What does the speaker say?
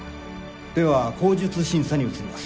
では口述審査に移ります。